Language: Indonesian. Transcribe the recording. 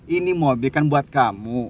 ini mobil kan buat kamu